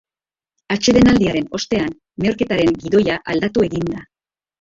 Atsedenaldiaren ostean, neurketaren gidoia aldatu egin da.